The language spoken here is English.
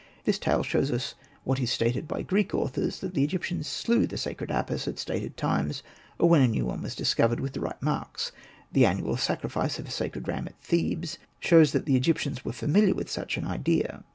This tale shows us what is stated by Greek authors, that the Egyptians slew the sacred Apis at stated times, or when a new one was dis covered with the right marks. The annual sacrifice of a sacred ram at Thebes shows that the Egyptians were familiar with such an idea.